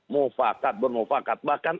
mufakat bermufakat bahkan